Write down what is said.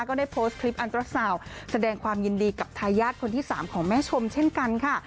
ก็ได้โพสต์คลิปอันตราสาวแสดงความยินดีกับทายาทคนที่๓ของแม่ชมเช่นกันค่ะ